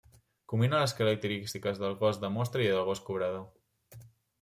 Combina les característiques del gos de mostra i del gos cobrador.